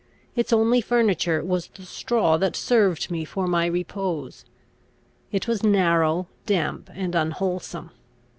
Its only furniture was the straw that served me for my repose. It was narrow, damp, and unwholesome.